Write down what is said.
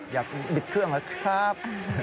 อยากบิดเครื่องนะครับ